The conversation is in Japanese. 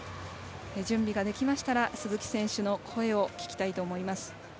準備ができましたら鈴木選手の声を聞きたいと思います。